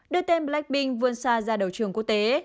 đưa tên blackpink vươn xa ra đầu trường quốc tế